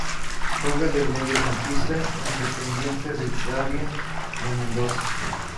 Juega de Mediocampista en Independiente Rivadavia de Mendoza.